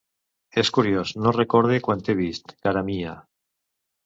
És curiós, no recorde quan t'he vist, cara mia!